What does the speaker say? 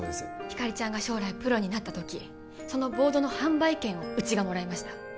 ひかりちゃんが将来プロになった時そのボードの販売権をうちがもらいました